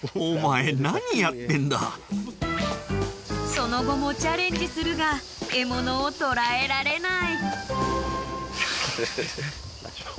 ［その後もチャレンジするが獲物をとらえられない］